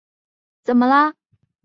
谭全播分掌城中兵。